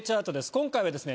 今回はですね